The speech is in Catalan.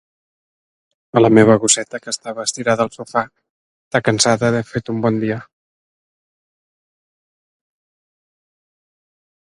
A la meva gosseta que estava estirada al sofà, de cansada de fet un bon dia.